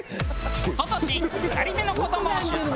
一昨年２人目の子どもを出産。